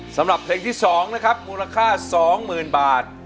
สำหรับเพลงที่สองนะครับมูลค่าสองหมื่นบาท